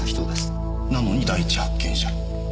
なのに第一発見者。